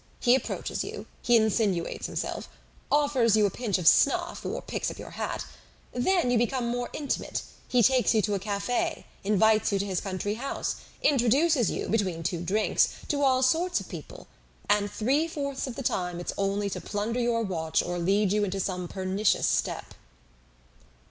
He approaches you, he insinuates himself; offers you a pinch of snuff, or picks up your hat. Then you become more intimate; he takes you to a cafe, invites you to his country house, introduces you, between two drinks, to all sorts of people; and three fourths of the time it's only to plunder your watch or lead you into some pernicious step.